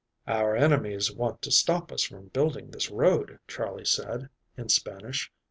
"Our enemies want to stop us from building this road," Charley said in Spanish.